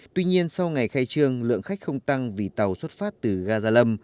tuy nhiên sau ngày khai trương lượng khách không tăng vì tàu xuất phát từ gaza lâm